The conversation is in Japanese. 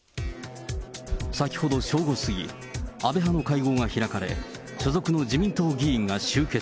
先ほど正午過ぎ、安倍派の会合が開かれ、所属の自民党議員が集結。